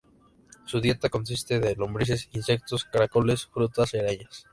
Su dieta consiste de lombrices, insectos, caracoles, frutas y arañas.